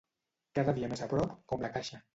Cada dia més a prop, com la caixa.